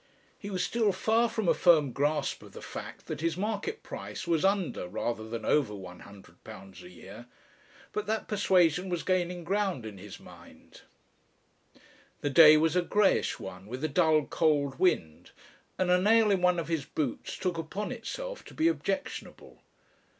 He was still far from a firm grasp of the fact that his market price was under rather than over one hundred pounds a year, but that persuasion was gaining ground in his mind. The day was a greyish one, with a dull cold wind, and a nail in one of his boots took upon itself to be objectionable.